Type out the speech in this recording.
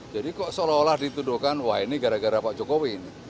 jadi kok seolah olah dituduhkan wah ini gara gara pak jokowi ini